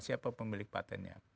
siapa pemilik patentnya